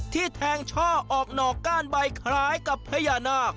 แทงช่อออกหนอกก้านใบคล้ายกับพญานาค